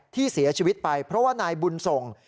ที่เสียชีวิตไปเพราะว่านายบุญส่ง